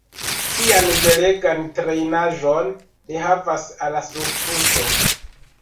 Kian belegan trenaĵon li havas al la surtuto!